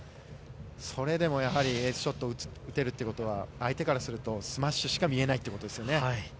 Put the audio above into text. それでもやはりエースショットを打てるということは、相手からすると、スマッシュしか見えないっていうことですよね。